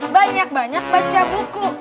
banyak banyak baca buku